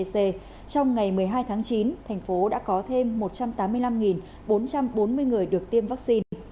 trong ngày một mươi hai tháng chín thành phố đã có thêm một trăm tám mươi năm bốn trăm bốn mươi người được tiêm vaccine